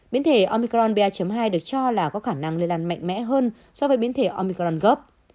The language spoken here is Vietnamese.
biến thể omicron ba hai được cho là có khả năng lây lan mạnh mẽ hơn so với biến thể omicronov